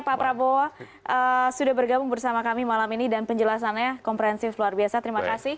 pak prabowo sudah bergabung bersama kami malam ini dan penjelasannya komprehensif luar biasa terima kasih